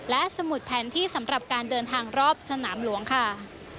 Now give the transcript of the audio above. และสมุดแผนที่สำหรับการเดินทางรอบสนามหลวงค่ะ